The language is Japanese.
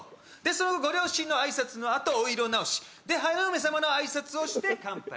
そのご両親の挨拶のあとお色直し、で、花嫁様の挨拶をして乾杯。